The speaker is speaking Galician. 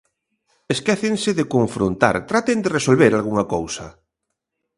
Esquécense de confrontar, traten de resolver algunha cousa.